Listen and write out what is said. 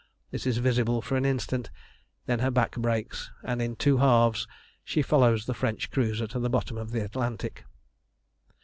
This is visible for an instant, then her back breaks, and in two halves she follows the French cruiser to the bottom of the Atlantic.